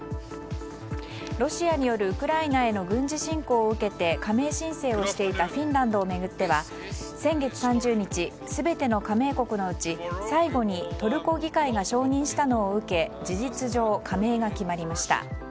ロシアによるウクライナへの軍事侵攻を受けて加盟申請をしていたフィンランドを巡っては先月３０日、全ての加盟国のうち最後にトルコ議会が承認したのを受け事実上、加盟が決まりました。